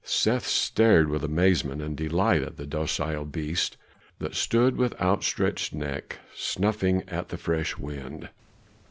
Seth stared with amazement and delight at the docile beast that stood with outstretched neck snuffing at the fresh wind.